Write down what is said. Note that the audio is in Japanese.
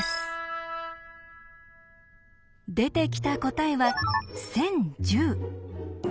出てきた答えは１０１０。